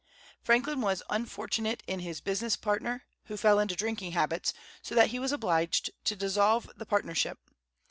Franklin was unfortunate in his business partner, who fell into drinking habits, so that he was obliged to dissolve the partnership.